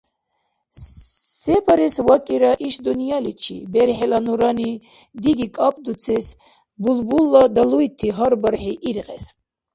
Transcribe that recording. Се барес вакӏира иш дунъяличи? Берхӏила нурани диги кӏапӏдурцес, Булбулла далуйти гьар бархӏи иргъес,